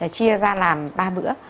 chia ra làm ba bữa